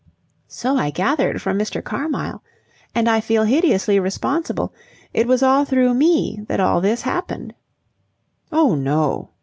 "So I gathered from Mr. Carmyle. And I feel hideously responsible. It was all through me that all this happened." "Oh, no."